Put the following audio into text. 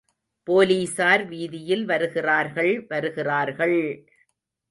போலீஸார் வீதியில் வருகிறார்கள், வருகிறார்கள்!